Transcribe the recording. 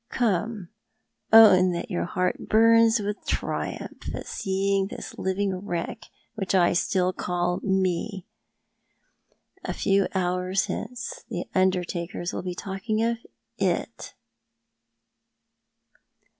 Come, own that your heart burns with triumph at seeing this living wreck which I still call ME. A few hours hence the undertakers will be talking of IT."